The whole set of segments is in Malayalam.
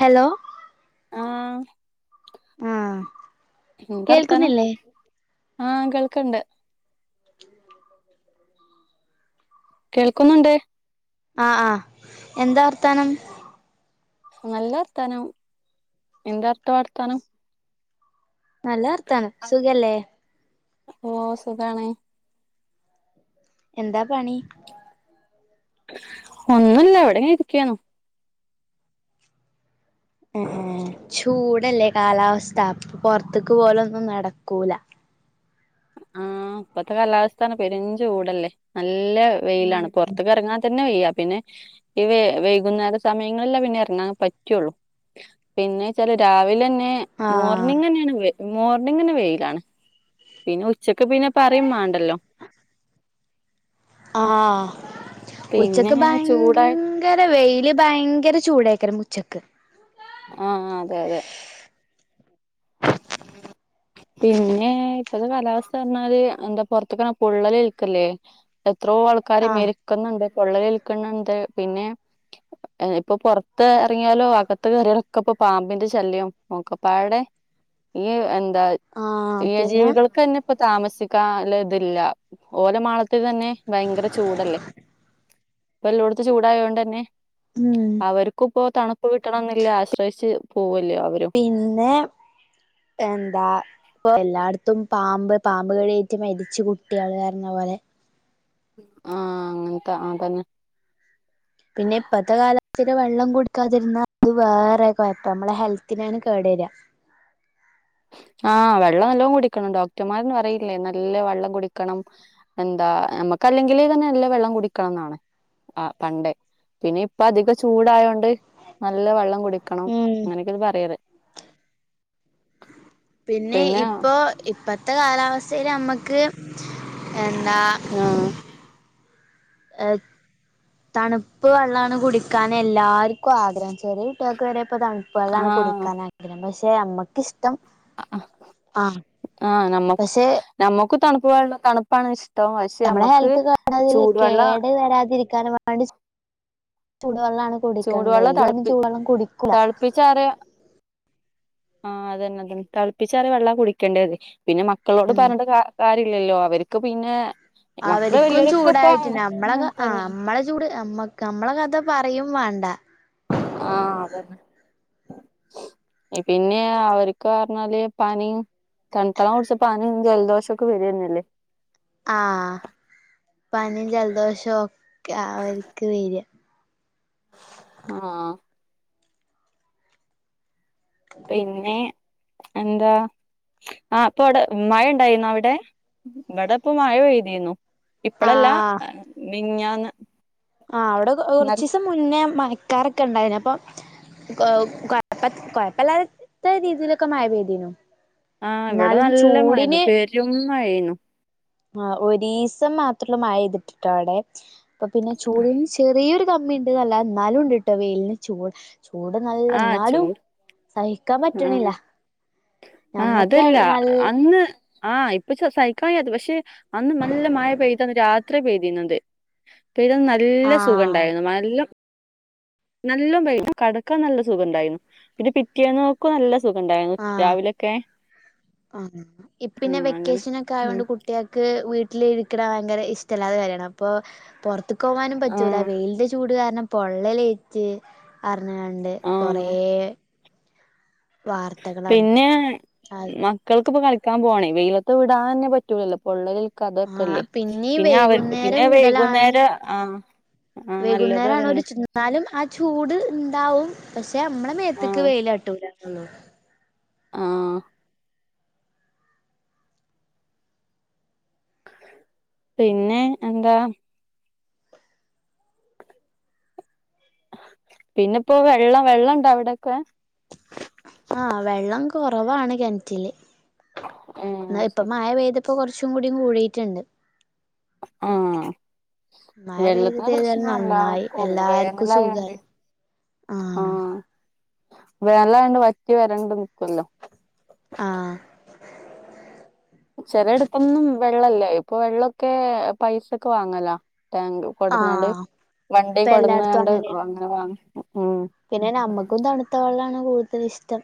ഹലോ. ആ, ആഹ് എന്താ വർത്താനം? കേൾക്കുന്നില്ലേ ആ, കേൾക്കണ്ട്. കേൾക്കുന്നുണ്ട്. ആ, ആ. എന്താ വർത്താനം? നല്ല വർത്താനം. എന്താ അവിടത്തെ വർത്താനം? നല്ല വർത്താനം സുഖല്ലേ? ഓ, സുഖണ് എന്താ പണി? ഒന്നുല്ല, ഇവിടെങ്ങനെ ഇരിക്കയണ്. ഉം ചൂടല്ലേ കാലാവസ്ഥ അപ്പം പൊറത്തേക്ക് പോല് ഒന്നും നടക്കൂല ആഹ് ഇപ്പഴത്തെ കാലാവസ്ഥ പറഞ്ഞാ പെരും ചൂടല്ലേ നല്ല- വെയിലാണ് ഉം പൊറത്തേക്ക് എറങ്ങാൻ തന്നെ വയ്യാ പിന്നെ- ഈ വൈകുന്നേര സമയങ്ങളെല പിന്നെ എറങ്ങാന് പറ്റുള്ളൂ പിന്നെ വെച്ചാല് രാവിലെ തന്നെ ആഹ് മോർണിംഗ് മോർണിംഗിന് വെയില് ആണ് പിന്നെ ഉച്ചക്ക് പിന്നെ പറയും വേണ്ടല്ലോ ആഹ് പിന്നെ ഉച്ചക്ക് ഭയങ്കര - ചൂടായി ഭയങ്കര വെയില് ഭയങ്കര ചൂടായിക്കാരും ഉച്ചക്ക് ആഹ് അതെ അതെ പിന്നെ ഇപ്പത്തെ കാലാവസ്ഥ പറഞ്ഞാല് എന്താ പൊറത്തൊക്ക പൊള്ളല് ഏൽക്കല്ലേ എത്രോ ആൾക്കാര് ആഹ് മരിക്കുന്നുണ്ട് പൊള്ളലേൽക്കുന്നുണ്ട് പിന്നെ ഇപ്പൊ പൊറ - പൊറത്ത് എറങ്ങിയാലോ അകത്ത് കയറിയാലൊ ഇപ്പൊ പാമ്പിന്റെ ശല്യം ഒക്കെപ്പാടെ- ഈ എന്താ ആഹ് ഇഴ പിന്നെ ജീവികൾക്ക് തന്നെ - ഇപ്പൊ താമസിക്കല് ഇതില്ല ഓല മാളത്തിൽ തന്നെ ഭയങ്കര ചൂടല്ലേ ഇപ്പൊ എല്ലായിടത്തും ചൂടായത് കൊണ്ട് തന്നെ- ഉം അവർക്കും ഇപ്പോ തണുപ്പ് കിട്ടണം എന്നില്ല ആശ്രയിച്ച് പോവല്ലോ അവരും പിന്നെ എന്താ - ഇപ്പം എല്ലായിടത്തും പാമ്പ് പാമ്പ് കടിയേറ്റ മരിച്ച കുട്ടികള് തന്നെ [unintelligible] ആഹ് അങ്ങനത്തെ അത് തന്നെ പിന്നെ ഇപ്പഴത്തെ കാലത്തില് വെള്ളം കുടിക്കാതിരുന്ന അത് വേറെ കൊഴപ്പ നമ്മളെ ഹെൽത്തിനാണ് കേട് വരിക ആഹ് വെള്ളം നല്ലോണം കുടിക്കണം ഡോക്ടർമാര് തന്നെ പറയില്ലേ നല്ല വെള്ളം കുടിക്കണം എന്താ നമ്മുക്ക് അല്ലെങ്കില് തന്നെ നല്ല വെള്ളം കുടിക്കണം എന്നാണ് ആ പണ്ടേ പിന്നെ ഇപ്പ അധികം ചൂടായയോണ്ട് നല്ല വെള്ളം കുടി- എടുക്കണം ഉം അങ്ങനെയൊക്കെ ഇത് പറയാറ് പിന്നെ ഇപ്പോ ഇപ്പത്തെ കാലാവസ്ഥയേല് നമ്മുക്ക് എന്താ- ആഹ് എ തണുപ്പ് വെള്ളമാണ് കുടിക്കാൻ എല്ലാർക്കും ആഗ്രഹം ചെറിയ കുട്ടികൾക്ക് വരെ ഇപ്പൊ തണു വെള്ളം ആണ് ആഹ് കുടിക്കാൻ ആഗ്രഹം പക്ഷെ നമ്മുക്ക് ഇഷ്ട്ടം - ആ ആഹ് പക്ഷെ - നമ്മക്ക് തണുപ്പ് വേണം തണുപ്പാണ് ഇഷ്ട്ടം പക്ഷെ നമ്മുക്ക് ചൂടുവെള്ളം- ഇത് വരാതിരിക്ക് - ക [unintelligible] ചൂടുവെള്ളമാണ് കുടിക്കേണ്ടത് ഈ ചൂടുവെള്ളം കുടിക്കില്ല തെളപ്പിച്ച് ആറിയ ആഹ് അത് തന്നെ തെളപ്പിച്ചാറിയ വെള്ളം കുടിക്കേണ്ടേ പിന്നെ - ഇവറ്റകളോട് പറഞ്ഞിട്ട് കാര്യമില്ലല്ലോ അവർക്ക് പിന്നെ- മക്കള് അവർക്കും വലിയവരൊക്കെ ഇപ്പൊ ചൂടായിട്ടു നമ്മളക്കെ അങ്ങനൊക്കെ ആ തന്നെ നമ്മളെ ചൂട് നമ്മ- നമ്മളെ കഥ പറയും വേണ്ട ആഹ് അത് തന്നെ പിന്നെ അവർക്ക് പറഞ്ഞാല് പനിയും- തണുത്ത വെള്ളം കുടിച്ച പനിയും ജലദോഷം ഒക്കെ വരുന്നല്ലേ ആഹാ പനിയും ജലദോഷവും ഒക്കെ അവർക്ക് വരും ആഹാ പിന്നെ എന്താ ആഹ് അപ്പൊ അവിടെ മഴ ഇണ്ടായിന്നോ അവിടെ ഇവിടെ ഇപ്പോ മഴ പെയ്തിനു ഇപ്പളല്ല ആഹ് മിനിഞ്ഞാന്ന് ആഹ് അവിടെ കൊറച്ച് ദിവസം മുന്നേ മയക്കാരൊക്കെ ഉണ്ടായിന് അപ്പൊ- ഓഹ് കൊഴപ്പ കൊഴപ്പല്ലാത്ത രീതീലൊക്കെ മഴ പെഴ്തീനു ആഹ് ഇവിടെ നല്ല മഴേനു പെരും മഴേനു ആ ഒരീസം മാത്രള്ളൂ മഴ പെയ്തിട്ടിട്ടോ ഇവിടെ അപ്പൊ പിന്നെ ചൂടും ചെറിയൊരു കമ്മി ഉണ്ട് ന്നല്ലാതെ എന്നാലും ഉണ്ട്ട്ടോ വെയിലിന് ചൂട് ചൂട് നല്ല ആഹ് എന്നാലും ചൂട് സഹിക്കാൻ ആഹ് പറ്റണില്ല ആഹ് ഞമ്മക്ക് അതല്ല നല്ല അന്ന് ആഹ് ഇപ്പൊ സഹിക്കാത് പക്ഷെ അന്ന് നല്ല മഴ പെയ്തന്ന് രാത്രി പെയ്തിന്നത് പെരും നല്ല സുഖം ആഹ് ഉണ്ടായിരുന്നു നല്ല നല്ലോം പെയ്യും കടക്കാൻ നല്ല സുഖം ഉണ്ടായിരുന്നു പിന്നെ പിറ്റെ പിറ്റേന്നോക്കും നല്ല സുഖം ഉണ്ടായിരുന്നു ആഹ് രാവിലൊക്കെ ആഹ് ഇപ്പ് പിന്നെ ഉം അങ്ങനെ ഉം വെക്കേഷനൊക്കായോണ്ട് കുട് കുട്ട്യാക്ക് വീട്ട്ല് ഇരിക്കണ ഭയങ്കര ഇഷ്ട്ടല്ലാത്ത കാര്യാണ് അപ്പോ പൊറത്ത് ത്ത്ക്കോവാനും പറ്റൂല ആഹ് വെയ്ൽന്റെ ചൂട് കാരണം പൊള്ളലേറ്റ് പർഞ്ഞ്ങ്ങാണ്ട് ണ്ട് കൊറേ ആഹ് വാർത്തകളാണ് പിന്നെ മ ആഹ് മക്കൾക്ക്പ്പൊ കളിക്കാൻ പോണേ വെയ്ലത്ത് വിടാനെന്നെ പറ്റൂലല്ലോ പൊള്ളലേൽ ആഹ് ക്കതൊക്കെല്ലേ പിന്നീ പിന്നെ അവർ വൈകുന്നേരം പിന്നെ വിടലാണ് വൈകുന്നേര ആഹ് ആഹ് നല്ലത് വൈകുന്നേരാണ് ഒരു അതന്നെ ന്നാലും ആ ചൂട് ണ്ടാവും പക്ഷെ മ്മളെ മേത്ത്ക്ക് ആഹ് വെയ്ലട്ടൂലാന്നൊള്ളു ആഹ് പിന്നെ എന്താ പിന്നെപ്പൊ വെള്ളം വെള്ളണ്ടോ അവിടൊക്കെ ആഹ് വെള്ളം കൊറവാണ് കെൺറ്റില് ഏഹ് ന്നാ ഇപ്പ ശരി മയ പെയ്ത പ്പൊ കൊർച്ചും കുടി കൂടീറ്റ്ണ്ട് ആഹ് മഴ വെള്ളത്തിന് പെയ്തത് ഏതായാലും നന്നായി പ്രശ്നല്ലാവർക്കും ഉണ്ട് എല്ലാർക്കും സുഖായി വേനലായോണ്ടെയ് ആഹ് വേനലായോണ്ട് വറ്റി വരണ്ട് നിക്കോല്ലോ ആഹ് ചെലേടത്തൊന്നും വെള്ളല്ല ഇപ്പൊ വെള്ളൊക്കെ പൈസക്ക് വാങ്ങലാ ടേങ്ക് കൊട്ന്നാണ്ട് ആഹ് വണ്ടീ ഇപ്പ എല്ലായിടത്തും കൊട്ന്നാണ്ട് അങ്ങനെ വാങ്ങാ ഉം പിന്നെ നമ്മക്കും തണുത്ത വെള്ളാണ് കൂട്തലിഷ്ട്ടം.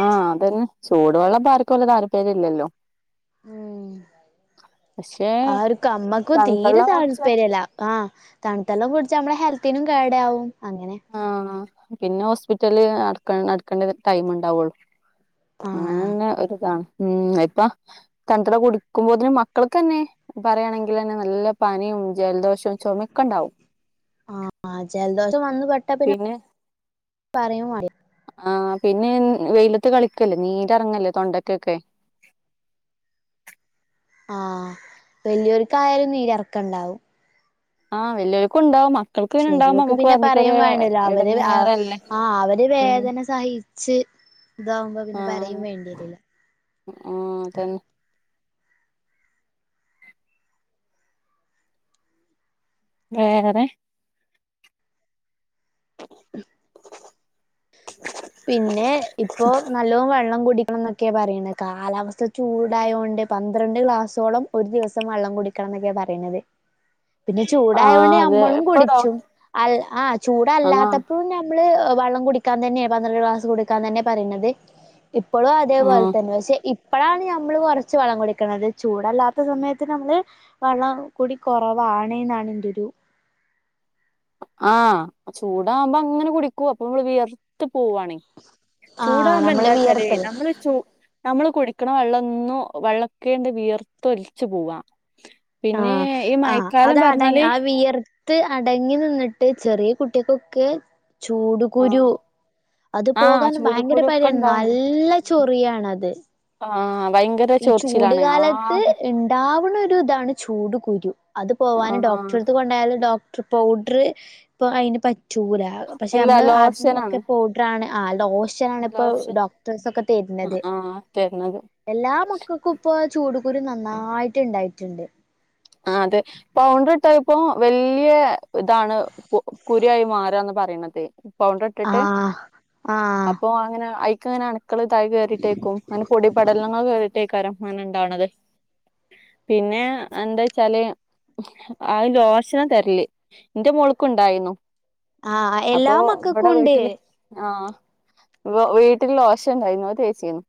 ആഹ് അതന്നെ ചൂടുവെള്ളപ്പ ആർക്കും വല്ല്യേ താല്പര്യല്ലല്ലോ ഉം ആർക്കും നമ്മക്കും തീരെ തൺവെള്ളം കുടിച്ചാൽ താല്പര്യല്ല ആഹ് തണുത്തള്ളം കുടിച്ച നമ്മളെ ഹെൽത്തിനും കേടാവും അങ്ങനെ ആഹ് ആഹ് പിന്നെ ഹോസ്പിറ്റല് നടക്ക നടക്കണ്ടെ ടൈമ്ണ്ടാവ്ള്ളു ആഹ് അങ്ങനെന്നെ ഒര്താണ് ഉം ഇപ്പൊ തണ്ത്തെള്ളം കുടിക്ക്മ്പോത്തിന് മക്കൾക്കെന്നെ പറയാണെങ്കിലെന്നെ നല്ല പനിയും ജലദോഷോം ചൊമെക്കെണ്ടാവും ആഹ് ജലദോഷം വന്ന് പെട്ടാ പിന്നെ പറയും [unintelligible] ആഹ് പിന്നെ വെയ്ലത്ത് കളിക്കല്ലേ നീരെറങ്ങല്ലേ തൊണ്ടക്കെക്കെ ആഹ് വല്ല്യോര്ക്കായാലും നീരെറക്കണ്ടാവും ആഹ് വല്ല്യോൽക്കുണ്ടാവും മ ചെറ്യോക്ക് പിന്നെ പറയും വേണ്ടല്ലോ അവര് എടങ്ങേറല്ലേ ആഹ് അവര് ഉം വേദന സഹിച്ച് ഇതാവുമ്പോ പിന്നെ പറയും ആഹ് വേണ്ട്യേരൂല ആഹ് തന്നേ വേറെ പിന്നെ ഇപ്പൊ നല്ലോം വെള്ളം കുടി ക്കണന്നൊക്കെ പറീണെ കാലാവസ്ഥ ചൂടായോണ്ട് [unintelligible] ന്ത്രണ്ട് ഗ്ലാസോളം ഒരു ദിവസം വള്ളം കുടിക്കണം ന്നൊക്കെ പറീണത് പിന്നെ ആഹ് ചൂടായോണ്ട് അതെ ഞമ്മളും ഇപ്പൊ ഡോ കുടിച്ചും അല്ല ആഹ് ആഹ് ചൂടല്ലാത്തപ്പോ ഞ മ്മള് വള്ളം കുടിക്കാൻ തന്നെ പന്ത്രണ്ട് ക്ലാസ് കുടിക്കാൻ തന്നെ പറീണത് ഇപ്പൊളും അതേപോലെ ആഹ് തന്നെ പക്ഷെ ഇ ഇപ്പളാണ് ഞമ്മള് കൊറച്ച് വെള്ളം കുടിക്കണത് ചൂടല്ലാത്ത സമയത്ത് നമ്മള് വെള്ളം കുടി കൊറവാണ്ന്നാണ് എന്റൊരു ആഹ് ചൂടാവുമ്പ അങ്ങനെ കുടിക്കും അപ്പൊ അമ്മള് വിയർത്ത് പോവാണെ ആഹ് നമ്മള് ചൂടാവ്മ്പന്താച്ചാലേ വിയർത്തത് നമ്മള് ചൂ നമ്മള് കുടിക്കണ വെള്ളൊന്നും വെള്ളൊക്കെന്റെ വിയർത്ത് ഒലിച്ച് പോവാ പിന്നേ ഈ മഴക്കാലം പർന്നാല് വിയർ ത്ത് അടങ്ങി നിന്ന്ട്ട് ചെറ്യേ കുട്ട്യാക്കൊക്കെ ചൂട് ആഹ് കുരു അത് ആഹ് പോകാൻ ചൂട് ഭയങ്കര കുരു ഒക്കെ പഴയാണ് ഉണ്ടാവണ്ട് നല്ല ചൊറിയാണത്. ആഹ് ഭയങ്കര ഈ ചൂടു ചൊറിച്ചിലാണ് കാലത്ത് ആകെ ഇണ് ണ്ടാവണ ഒരു ഇതാണ് ചൂട് കുരു. അത് പോവാനു ആഹ് ഡോക്ടർടുത്ത് കൊണ്ടായാലും ഡോക് പൗഡറ് ഇപ്പൊ അതിന് പറ്റൂല പക്ഷെ ഇല്ല അമ്മള് ആദ്യം ലോഷനാണ് ഒക്കെ പൊ ഡോക്ടറാണ് ആ ലോഷനാണ് ഇപ്പൊ ലോഷൻ ഡോക്ടേഴ്സ് ഒക്കെ തരുന്നത്. ആ ആ തരുന്നത്. എല്ലാ മക്കൾക്കും ഇപ്പൊ ചൂട് കുരു നന്നായിട്ട് ഉണ്ടായിട്ടുണ്ട്. ആ അതെ, പൗഡർ ഇട്ടായിപ്പോ വലിയ ഇതാണ്. കു കുരുവായി മാറുകാന്ന് പറയണതേ പൗഡർ ഇട്ടിട്ട് ആഹ് ആഹ് അപ്പൊ, അങ്ങനെ ഐക്കെങ്ങനാണ്? മക്കൾ താഴെ കേറിയിട്ടേക്കും. അങ്ങനെ പൊടി പടലങ്ങൾ കയറിട്ടേക്കാരം അങ്ങനെ ഉണ്ടാവണത്. പിന്നെ എന്താ? ചെലയും ആ ലോഷന തരല്. എന്റെ മോൾക്കുണ്ടായിരുന്നു. ആഹ് അപ്പൊ എല്ലാ മക്കക്കും ഇവിടെ ഉണ്ട് വീട്ടില് ആഹ് വ് വീട്ടില് ലോഷൻ ഉണ്ടായിരുന്നു അത് തേച്ചിരുന്നു.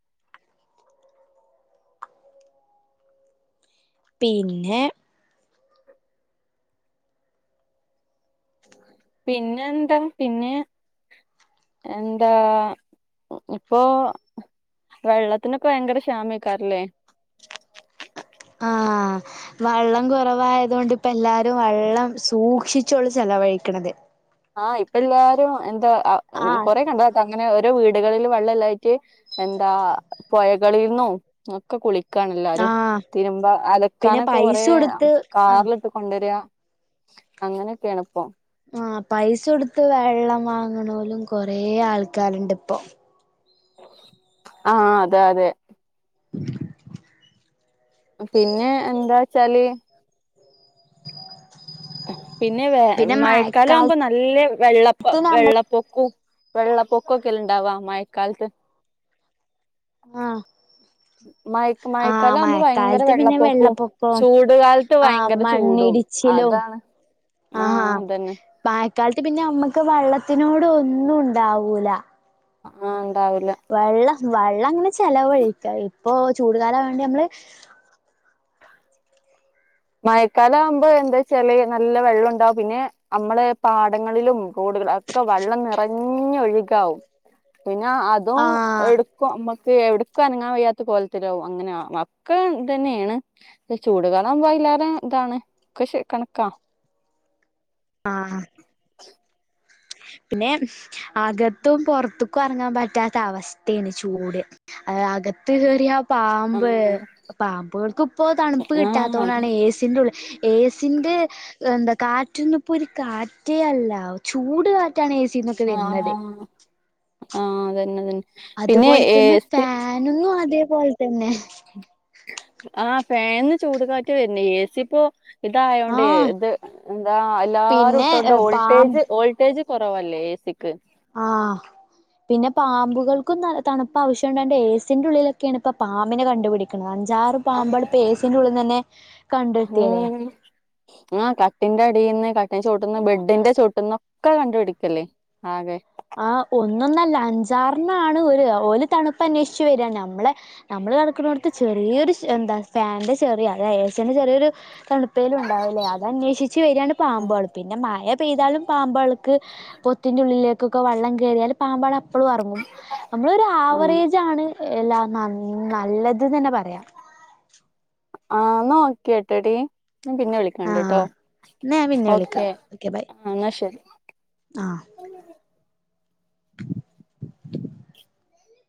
പിന്നെ? പിന്നെന്താ? പിന്നെ എന്താ ഇപ്പോ വെള്ളത്തിനൊക്കെ ഭയങ്കര ക്ഷാമായ്കാരല്ലെ ആഹ് വെള്ളം കുറവായതു കൊണ്ട് ഇപ്പ എല്ലാരും വെള്ളം സൂക്ഷിച്ചോള് ചെലവഴിക്കന്നത്. ആഹ്! ഇപ്പ എല്ലാരും എന്താ ആ മ് ആഹ് കൊറെ കണ്ടതാട്ടാ അങ്ങനെ ഓരോ വീടുകളില് വെള്ളം ഇല്ലായ് റ്റ് എന്താ പുഴകളിന്നോ ഒക്കെ കുളി ക്കാണ് എല്ലാരും ആഹ് തിരുമ്പ പിന്നെ അലക്കാനൊക്കെ പൈസ കൊറെ കൊടുത്ത് ആഹ് കാറിലിട്ട് കൊണ്ടരിക അങ്ങനെയൊക്കെയാണ് ഇപ്പം ആഹ് പൈസ കൊടുത്ത് വെള്ളം വാങ്ങണോലും കൊറേ ആൾക്കാരുണ്ട് ഇപ്പൊ. ആഹ് അതെ അതെ [inaudible] പിന്നെ എന്താച്ചാല് പിന്നെ വെ പിന്നെ മഴക്കാലം ആവുമ്പോ മഴക്കാലത്ത് നല്ല വെള്ളപ്പ നമ്മൾ വെള്ള പൊക്കും. വെള്ള പൊക്കൊക്കെല്ലാം ഉണ്ടാവാ മഴക്കാലത്ത്. ആഹ് [inaudible] മഴക്ക് ആഹ് മഴക്കാലം ആവുമ്പോ ഭയങ്കര മഴക്കാലത്ത് പിന്നെ വെള്ളപ്പൊക്കും വെള്ളപ്പൊക്കവും ചൂട് കാലത്ത് ആഹ് ഭയങ്കര ചൂടും. മണ്ണിടിച്ചിലും അതാണ്. ആഹ് അതന്നെ. മഴക്കാലത്ത് പിന്നെ നമ്മക്ക് വെള്ളത്തിനോട് ഒന്നും ഉണ്ടാവൂല. അ ആഹ് ഉണ്ടാവൂല വെള്ള വെള്ളം അങ്ങനെ ചെലവഴിക്ക ഇപ്പൊ ചൂടുകാലായതോണ്ട് നമ്മള് മയക്കാലാകുമ്പോ എന്താച്ചാല് നല്ല വെള്ളം ഉണ്ടാവും. പിന്നെ നമ്മള് പാടങ്ങളിലും തോടുകൾ ഒക്കെ വെള്ളം നിറഞ്ഞു ഒഴുകാവും. പിന്നെ അതും ആഹ് എടു ക്കൊ അമ്മക്ക് എവിട്ക്കും അനങ്ങാൻ വയ്യാത്ത കോലത്തിലാവും. അങ്ങനെയാ ഒക്കെ ഇതന്നേണ്. ഇത് ചൂട് കാലാവുമ്പൊ അയില്ലാതെ ഇതാണ്. കൃഷി കണക്കാ. ആഹ് പിന്നെ അകത്തും പൊറത്ത്ക്കും അറങ്ങാൻ പറ്റാത്ത അവസ്ഥേണ് ചൂട്. അത് അകത്ത് കേറിയ പാമ്പ് ആഹ് പാമ്പുകൾക്കിപ്പൊ തണുപ്പ് കിട്ടാത്ത ആഹ് അത് കൊണ്ടാണ് ഏസിൻ്റെ ഉള്ളി ഏ സിന്റെ എന്താ കാറ്റൊന്നുപ്പൊ ഒരു കാറ്റേ അല്ല.. ചൂ ട് കാറ്റാണ് ഏ സിന്നു ആഹ് ആഹ് അതന്നെ, തന്നെ പിന്നെ ഏ സി ഞാനൊന്നു അതേപോലെ തന്നെ ആ ഫാനിന്ന് ചൂട്കാറ്റ് വരുന്ന് ഏസി ഇപ്പൊ ഇതായോണ്ട് ആഹ് ഇത് എന്താ എല്ലാരും പിന്നെ ഇട്ടോണ്ട് പാമ്പ് വോൾട്ടേജ് വോൾട്ടേജ് കൊറവല്ലേ ഏസിക്ക് ആഹ് പിന്നെ പാമ്പുകൾക്കും തണുപ്പാവശ്യണ്ടായെണ്ട് ഏസിന്റെ ഉള്ളിലൊക്കെയാണ്പ്പ പാമ്പിനെ കണ്ടുപിടി ക്ക്ണ് അഞ്ചാറ് ആ പാമ്പെള് പ്പൊ ഏസിന്റെ ഉള്ളിന്ന് തന്നെ കണ്ടെത്തിയല്ലേ ഉം ആഹ് കട്ടിന്റെ അടീന്ന് കട്ടിന്റെ ചോട്ട്ന്ന് ബെഡിന്റെ ചോട്ട്ന്നൊക്കെ കണ്ടുപിടിക്കല്ലേ ആവെ ആഹ് ഒന്നൊന്നല്ല അഞ്ചാറെണ്ണാണ് ഒരു ഓല് തണുപ്പ് അന്വേഷിച്ച് വര നമ്മളെ നമ്മള് കടക്കുണോട്ത്ത് ചെറിയൊരു സ് എന്താ ഫാനിന്റെ ചെറിയ അതായ ഏസിന്റെ ചെറിയൊരു തണുപ്പേലും ഉണ്ടാവില്ലേ അത് അന്വേഷിച്ച് വരികയാണ് പാമ്പുകൾ പിന്നെ മഴ പെയ്താലും പാമ്പേൾക്ക് പൊത്തിന്റെ ഉള്ളിലേക്കൊക്കെ വള്ളം കേറിയാലും പാമ്പാള് അപ്പളും അറങ്ങും നമ്മളൊരു ആഹ് ആവറേജ് ആണ് എല്ലാനന്നു നല്ലത് നന്നേ പറയാം ആഹ് ന്ന ഓക്കെ ട്ടേടി ഞാൻ പിന്നെ വിളിക്ക കണ്ടിട്ടോ ആഹ് ന്നാ ഞാൻ പിന്നെ വിളിക്കാം ഓക്കേ ഓക്കെ ബൈ ആ എന്നാ ശരി ആഹ്